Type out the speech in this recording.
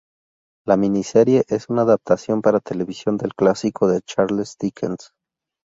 La miniserie es una adaptación para televisión del clásico de Charles Dickens.